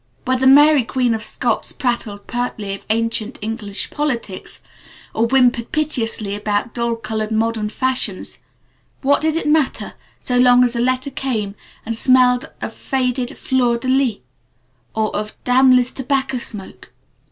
Whether 'Mary Queen of Scots' prattled pertly of ancient English politics, or whimpered piteously about dull colored modern fashions what did it matter so long as the letter came, and smelled of faded fleur de lis or of Darnley's tobacco smoke?